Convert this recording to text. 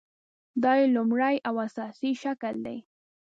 دا یې لومړۍ او اساسي شکل دی.